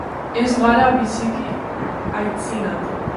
Ez gara biziki aitzinatu.